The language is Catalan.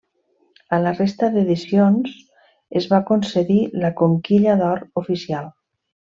A la resta d'edicions es va concedir la Conquilla d'Or oficial.